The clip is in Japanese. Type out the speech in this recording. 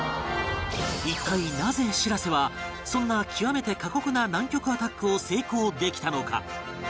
一体なぜしらせはそんな極めて過酷な南極アタックを成功できたのか？